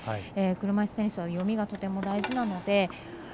車いすテニスは読みがとても大事なので。